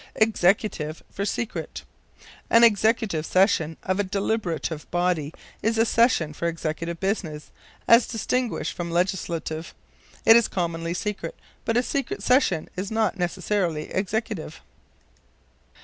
Executive for Secret. An executive session of a deliberative body is a session for executive business, as distinguished from legislative. It is commonly secret, but a secret session is not necessarily executive.